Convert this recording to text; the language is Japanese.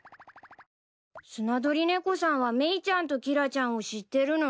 スナドリネコさんはメイちゃんとキラちゃんを知ってるの？